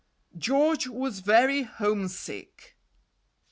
GEORGE was very homesick.